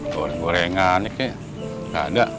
goreng gorengan nih kayaknya gak ada